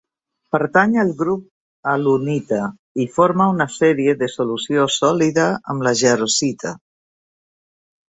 Pertany al grup alunita, i forma una sèrie de solució sòlida amb la jarosita.